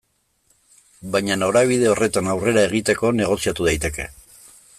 Baina norabide horretan aurrera egiteko negoziatu daiteke.